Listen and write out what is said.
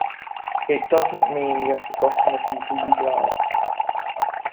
It does not mean you have forgotten the people you love.